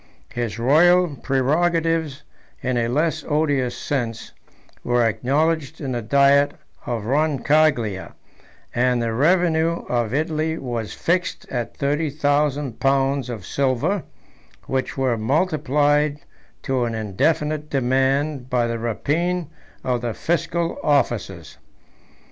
His royal prerogatives, in a less odious sense, were acknowledged in the diet of Roncaglia; and the revenue of Italy was fixed at thirty thousand pounds of silver, 146 which were multiplied to an indefinite demand by the rapine of the fiscal officers.